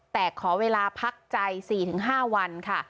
แต่ขอเวลาพักใจ๔๕วันค่ะ